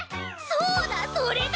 そうだそれだ！